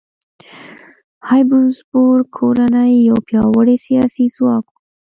هابسبورګ کورنۍ یو پیاوړی سیاسي ځواک و.